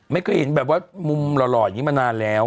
ไม่เคยเห็นแบบว่ามุมหล่ออย่างนี้มานานแล้ว